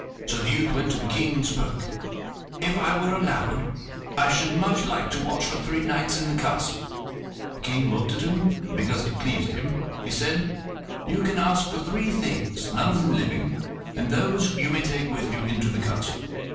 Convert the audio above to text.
So the youth went to the King and spoke: "If I were allowed, I should much like to watch for three nights in the castle." The King looked at him, and because he pleased him, he said: "You can ask for three things, none of them living, and those you may take with you into the castle."